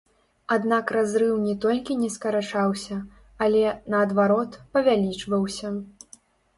Аднак разрыў не толькі не скарачаўся, але, наадварот, павялічваўся.